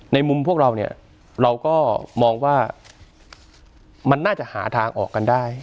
ในมุมพวกเราเนี่ยเราก็มองว่ามันน่าจะหาทางออกกันได้